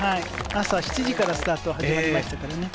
朝７時からスタート、始まりましたからね。